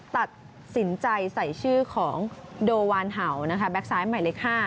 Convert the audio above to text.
ตัดสินใจใส่ชื่อของโดวานเห่านะคะแบ็คซ้ายใหม่เล็ก๕